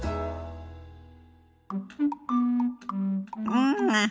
うん！